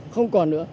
không còn nữa